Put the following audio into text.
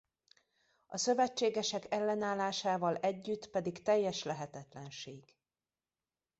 A szövetségesek ellenállásával együtt pedig teljes lehetetlenség.